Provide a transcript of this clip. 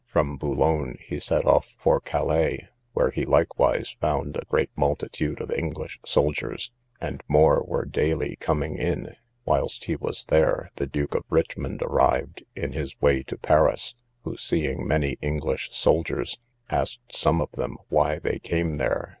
From Boulogne he set off for Calais; where he likewise found a great multitude of English soldiers, and more were daily coming in. Whilst he was here, the Duke of Richmond arrived, in his way to Paris; who, seeing many English soldiers, asked some of them why they came there?